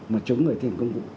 mà chống người thi hành công vụ